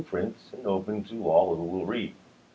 print, and open to all who will read.